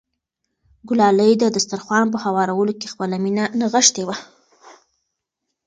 ګلالۍ د دسترخوان په هوارولو کې خپله مینه نغښتې وه.